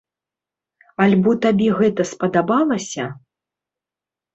Альбо табе гэта спадабалася?